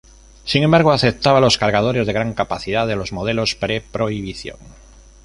Sin embargo, aceptaba los cargadores de gran capacidad de los modelos pre-prohibición.